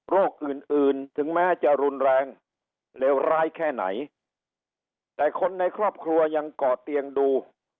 อื่นอื่นถึงแม้จะรุนแรงเลวร้ายแค่ไหนแต่คนในครอบครัวยังก่อเตียงดู